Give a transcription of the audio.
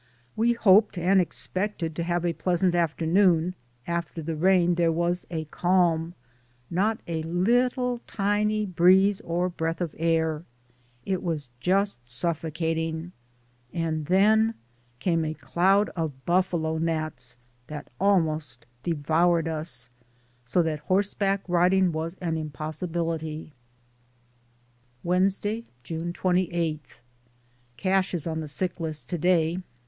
We hoped and expected to have a pleasant afternoon, after the rain there was a calm — not a little tiny breeze or breath of air — it was just suf focating, and then came a cloud of buffalo gnats that almost devoured us, so that horse back riding was an impossibility. Wednesday, June 28. Cash is on the sick list to day.